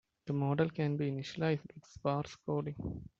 The model can be initialized with sparse coding.